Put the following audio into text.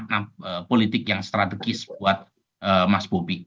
dan juga makna politik yang strategis buat mas bobi